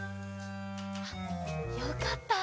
あっよかった。